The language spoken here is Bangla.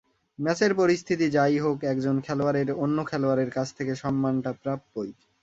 ম্যাচের পরিস্থিতি যা-ই হোক, একজন খেলোয়াড়ের অন্য খেলোয়াড়ের কাছ থেকে সম্মানটা প্রাপ্যই।